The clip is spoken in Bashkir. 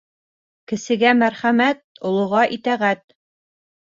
Кесегә мәрхәмәт, олоға итәғәт.